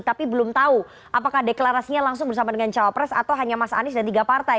tapi belum tahu apakah deklarasinya langsung bersama dengan cawapres atau hanya mas anies dan tiga partai